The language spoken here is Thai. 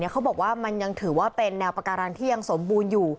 เขาบอกว่ามันยังถือว่าเป็นแนวปาการังที่ยังสมบูรณ์อยู่